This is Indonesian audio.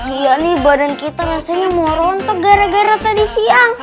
iya nih badan kita rasanya mau rontok gara gara tadi siang